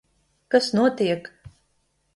Kas notiek?